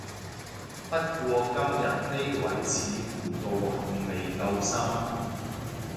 不過今日呢位似乎道行未夠深